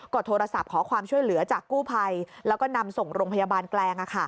ก็โทรศัพท์ขอความช่วยเหลือจากกู้ภัยแล้วก็นำส่งโรงพยาบาลแกลง